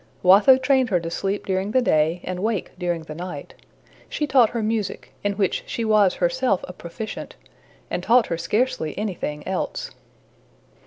Watho trained her to sleep during the day and wake during the night. She taught her music, in which she was herself a proficient, and taught her scarcely anything else.